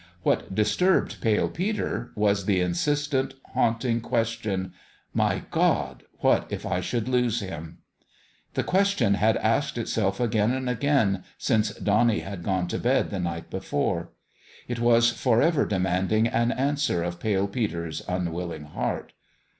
What disturbed Pale Peter was the insistent, haunting question : My God y what if I should lose him ? The question had asked itself again and again since Donnie had gone to bed the night before. It was forever demanding an answer of Pale Peter's unwilling heart.